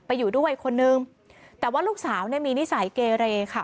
อยู่ด้วยคนนึงแต่ว่าลูกสาวเนี่ยมีนิสัยเกเรค่ะ